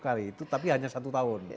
lima puluh kali itu tapi hanya satu tahun